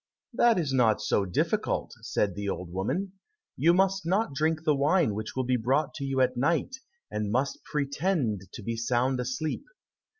"That is not so difficult," said the old woman, "you must not drink the wine which will be brought to you at night, and must pretend to be sound asleep."